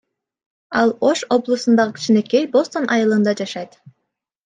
Ал Ош облусундагы кичинекей Бостон айылында жашайт.